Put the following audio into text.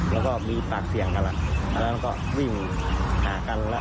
แล้วก็มีปากเสี่ยงกันล่ะแล้วก็วิ่งหากันล่ะ